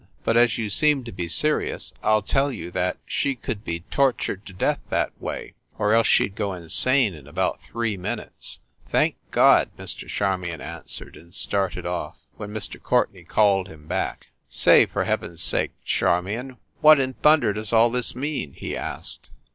But as you seem to be serious, I ll tell you that she could be tortured to death that way, or else she d go insane in about three minutes." "Thank God!" Mr. Charmion answered, and started off, when Mr. Courtenay called him back. "Say, for heaven s sake, Charmion, what in thun der does all this mean?" he asked.